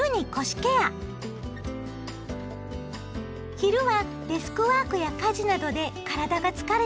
昼はデスクワークや家事などで体が疲れてくる頃。